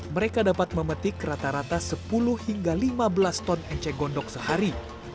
mereka dapat memetik rata rata sepuluh hingga lima belas ton enceng gondok sehari